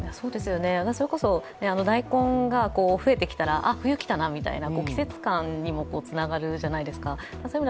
それこそ大根が増えてきたらあ、冬が来たなと季節感にもつながるじゃないですか。